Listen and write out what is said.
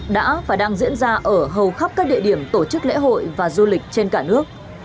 đã và đang diễn ra ở hầu khắp các địa điểm tổ chức lễ hội và du lịch trên cả nước